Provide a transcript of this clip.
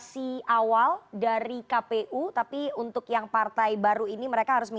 tim liputan cnn indonesia